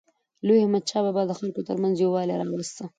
لوی احمدشاه بابا د خلکو ترمنځ یووالی راوست.